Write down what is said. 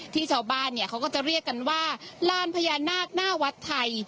ชาวบ้านเนี่ยเขาก็จะเรียกกันว่าลานพญานาคหน้าวัดไทย